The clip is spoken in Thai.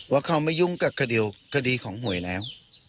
ว่าเขาไม่ยุ่งกับคดีของหวยแล้ว